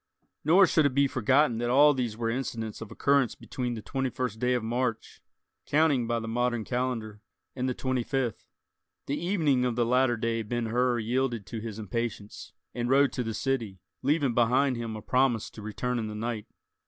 Nor should it be forgotten that all these were incidents of occurrence between the twenty first day of March—counting by the modern calendar—and the twenty fifth. The evening of the latter day Ben Hur yielded to his impatience, and rode to the city, leaving behind him a promise to return in the night.